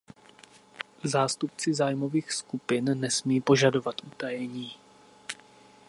Zástupci zájmových skupin nesmí požadovat utajení.